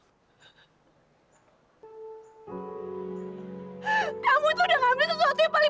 aku sayang ke liat obor documents namaku yg regres di sini